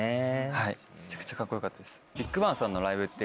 はいめちゃくちゃカッコ良かったです。